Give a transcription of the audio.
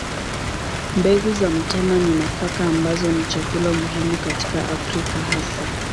Mbegu za mtama ni nafaka ambazo ni chakula muhimu katika Afrika hasa.